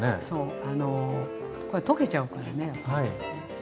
そうあのこれ溶けちゃうからね。